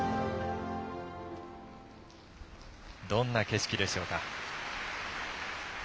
どんな景色でしょうか。